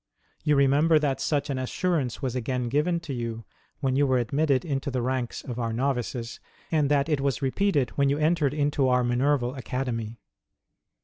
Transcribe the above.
You re member that such an assurance was again given to you when you were admitted into the ranks of our Novices, and that it was repeated when you entered into our Minerval Academy.